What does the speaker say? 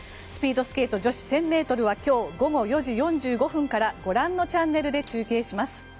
スピードスケート女子１０００ｍは今日午後４時４５分からご覧のチャンネルで中継します。